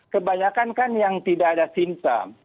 kebanyakan kan yang tidak ada simptom